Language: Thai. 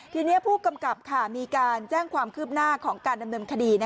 ทีนี้ผู้กำกับมีการแจ้งความคืบหน้าของการดำเนินคดี